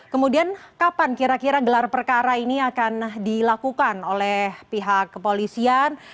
kemudian kapan kira kira gelar perkara ini akan dilakukan oleh pihak kepolisian